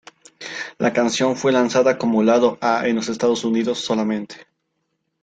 La canción fue lanzada como lado A en los Estados Unidos solamente.